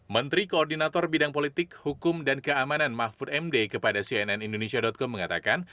menteri koordinator bidang politik hukum dan keamanan mahfud md kepada cnn indonesia com mengatakan